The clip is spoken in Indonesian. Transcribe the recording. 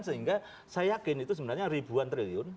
sehingga saya yakin itu sebenarnya ribuan triliun